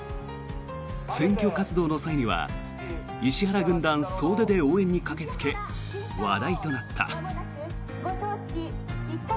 選挙活動の際には石原軍団総出で応援に駆けつけ話題となった。